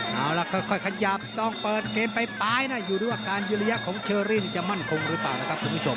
เอาล่ะค่อยขยับต้องเปิดเกมไปไปอยู่ด้วยว่าการยุลยักษ์ของเชอรี่จะมั่นคงหรือเปล่านะครับทุกผู้ชม